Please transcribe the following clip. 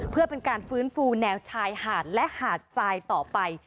เพื่อเป็นการฟื้นฟูแนวชายหาดและหาดทรายต่อไป